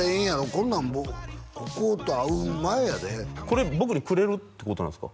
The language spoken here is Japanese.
こんなんここと会う前やでこれ僕にくれるってことなんですか？